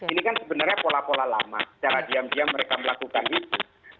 ini kan sebenarnya pola pola lama secara diam diam mereka melakukan itu